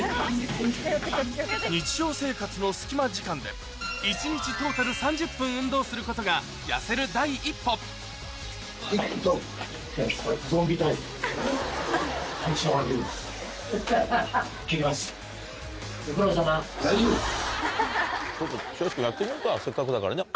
日常生活の隙間時間で一日トータル３０分運動することが痩せる第一歩せっかくだからね。